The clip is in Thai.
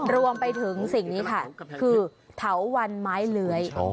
รวมไปถึงสิ่งนี้ค่ะคือเถาวันไม้เลื้อย